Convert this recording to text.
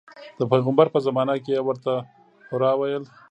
د پیغمبر په زمانه کې یې ورته حرا ویل.